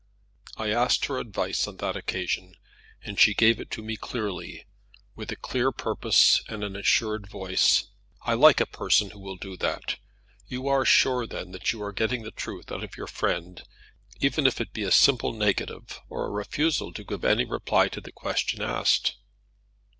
"I asked her advice on that occasion, and she gave it me clearly, with a clear purpose and an assured voice. I like a person who will do that. You are sure then that you are getting the truth out of your friend, even if it be a simple negative, or a refusal to give any reply to the question asked."